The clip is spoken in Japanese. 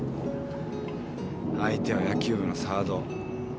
相手は野球部のサード。